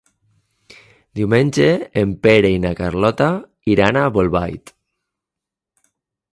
Diumenge en Pere i na Carlota iran a Bolbait.